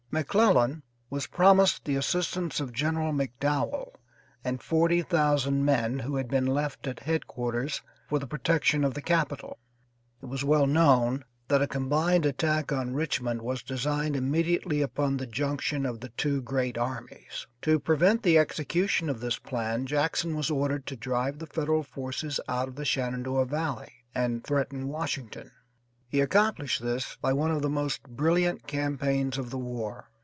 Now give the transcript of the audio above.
McClellan was promised the assistance of General McDowell and forty thousand men who had been left at headquarters for the protection of the capital. It was well known that a combined attack on Richmond was designed immediately upon the junction of the two great armies. To prevent the execution of this plan Jackson was ordered to drive the Federal forces out of the Shenandoah Valley and threaten Washington. He accomplished this by one of the most brilliant campaigns of the war.